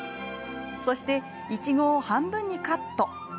そしていちごを半分にカット。